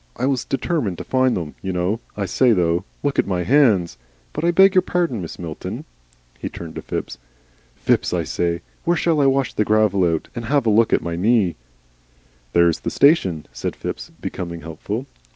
I was determined to find them, you know. I say though Look at my hands! But I beg your pardon, Mrs. Milton." He turned to Phipps. "Phipps, I say, where shall I wash the gravel out? And have a look at my knee?" "There's the station," said Phipps, becoming helpful.